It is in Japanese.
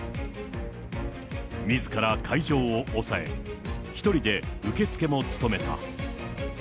みずから会場を押さえ、１人で受付を務めた。